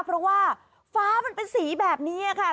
เพราะว่าฟ้ามันเป็นสีแบบนี้ค่ะ